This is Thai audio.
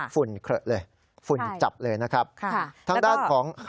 ฝุเขละเลยฝุ่นจับเลยนะครับทางด้านของ